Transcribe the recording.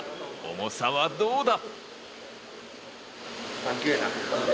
重さはどうだ？